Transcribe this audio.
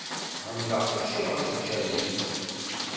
Ԑemmdeɣ kulci ɣef lǧal-im.